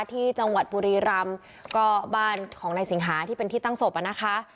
ที่จังหวัดบุรีรำก็บ้านของนายสิงหาที่เป็นที่ตั้งศพอ่ะนะคะ